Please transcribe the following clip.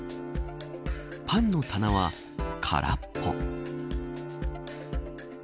パンの棚は空っぽ。